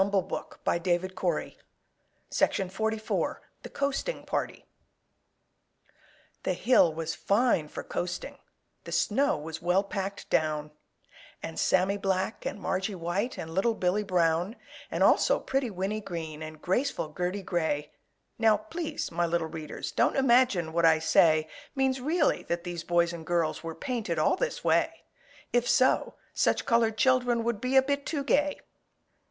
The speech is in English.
I shan't ask any questions." THE COASTING PARTY The hill was fine for coasting, The snow was well packed down, And Sammy Black and Margie White, And little Billy Brown, And also pretty Winnie Green And graceful Gertie Gray Now, please, my little readers, Don't imagine what I say Means really that these boys and girls Were painted all this way; If so, such colored children Would be a bit too gay!